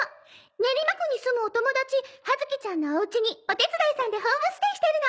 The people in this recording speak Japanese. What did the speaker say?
練馬区に住むお友達葉月ちゃんのおうちにお手伝いさんでホームステイしてるの。